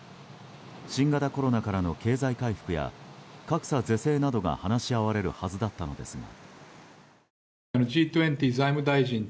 新型コロナからの経済回復や格差是正などが話し合われるはずだったのですが。